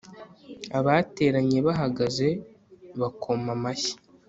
abateranye bahagaze bakoma amashyi